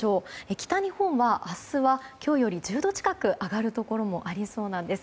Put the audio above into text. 北日本は明日は今日より１０度近く上がるところもありそうなんです。